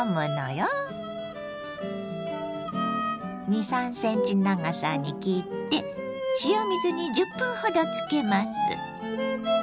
２３ｃｍ長さに切って塩水に１０分ほどつけます。